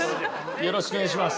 よろしくお願いします。